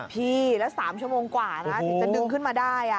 พี่แล้ว๓ชั่วโมงกว่านะถึงจะดึงขึ้นมาได้